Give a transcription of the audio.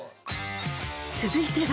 ［続いては］